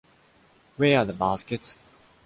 Where are the baskets?